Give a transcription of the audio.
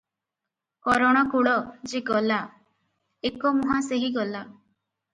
କରଣକୁଳ, ଯେ ଗଲା, ଏକମୁହାଁ ସେହି ଗଲା ।